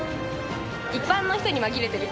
一般の人に紛れてる。